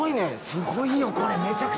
すごいよこれ。